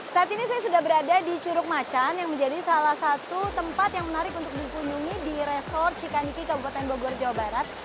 saat ini saya sudah berada di curug macan yang menjadi salah satu tempat yang menarik untuk dikunjungi di resor cikaniki kabupaten bogor jawa barat